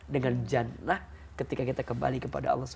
dengan jannah ketika kita kembali kepada allah sw